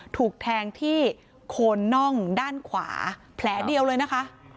ถูกแทงที่โคนน่องด้านขวาแผลเดียวเลยนะคะ